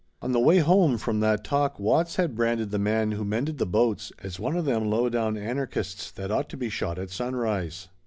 On the way home from that talk Watts had branded the man who mended the boats as one of them low down anarchists that ought to be shot at sunrise.